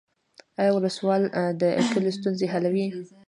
آیا ولسوال د کلیو ستونزې حلوي؟